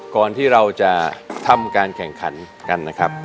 ก่อนที่เราจะทำการแข่งขันกันนะครับ